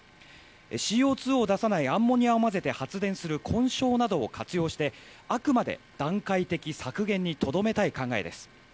ＣＯ２を出さないアンモニアを混ぜて発電する混焼などを活用してあくまで段階的削減にとどめたい考えです。